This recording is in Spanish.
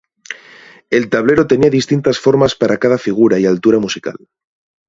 El tablero tenía distintas formas para cada figura y altura musical.